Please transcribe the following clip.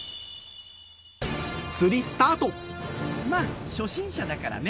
まぁ初心者だからね